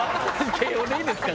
慶應でいいですか？